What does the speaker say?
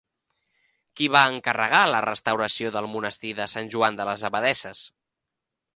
Qui va encarregar la restauració del monestir de Sant Joan de les Abadesses?